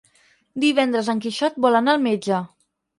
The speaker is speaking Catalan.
Divendres en Quixot vol anar al metge.